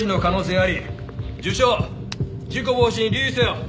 受傷事故防止に留意せよ。